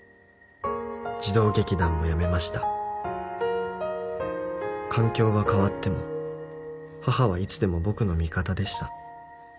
「児童劇団もやめました」「環境が変わっても母はいつでも僕の味方でした」